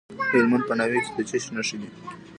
د هلمند په ناوې کې د څه شي نښې دي؟